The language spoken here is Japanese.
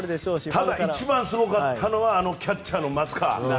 ただ一番すごかったのはキャッチャーの松川。